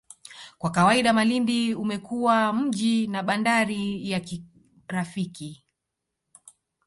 Kwa kawaida Malindi umekuwa mji na bandari ya kirafiki